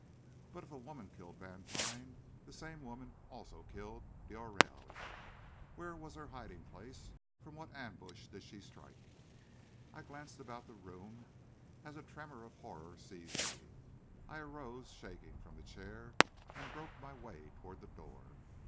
But if a woman killed Vantine, the same woman also killed d'Aurelle. Where was her hiding place? From what ambush did she strike? I glanced about the room, as a tremor of horror seized me. I arose, shaking, from the chair and groped my way toward the door.